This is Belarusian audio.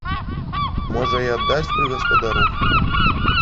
Можа, і аддасць пры гаспадару.